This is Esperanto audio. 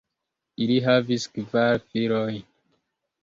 Ili havis kvar filojn.